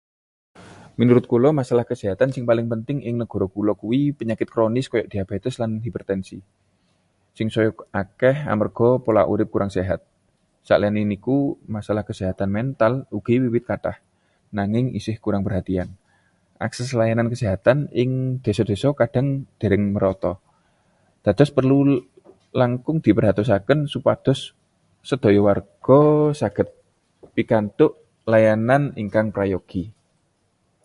Miturut kula, masalah kesehatan sing paling penting ing negara kula kuwi penyakit kronis kaya diabetes lan hipertensi, sing saya akeh amarga pola urip kurang sehat. Saliyane niku, masalah kesehatan mental ugi wiwit kathah, nanging isih kurang perhatian. Akses layanan kesehatan ing desa-desa kadhang dereng merata, dados perlu langkung diperhatosaken supados sedaya warga saged pikantuk layanan ingkang prayogi.